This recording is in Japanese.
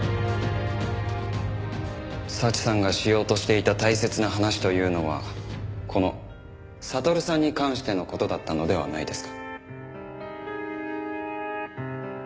早智さんがしようとしていた大切な話というのはこの悟さんに関しての事だったのではないですか？